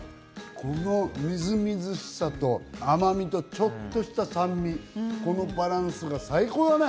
このみずみずしさと甘みと、ちょっとした酸味、このバランスが最高だね。